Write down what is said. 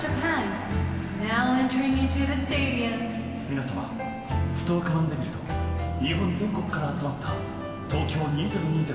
皆様ストーク・マンデビルと日本全国から集まった東京２０２０